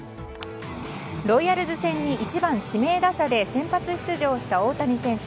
ロイヤルズ戦に１番指名打者で先発出場した大谷選手。